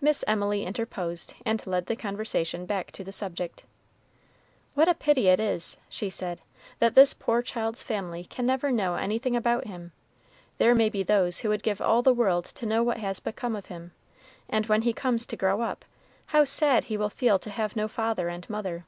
Miss Emily interposed, and led the conversation back to the subject. "What a pity it is," she said, "that this poor child's family can never know anything about him. There may be those who would give all the world to know what has become of him; and when he comes to grow up, how sad he will feel to have no father and mother!"